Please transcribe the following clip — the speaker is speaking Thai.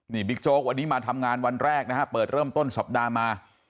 นี่บิ๊กโจ๊กวันนี้มาทำงานวันแรกนะฮะเปิดเริ่มต้นสัปดาห์มา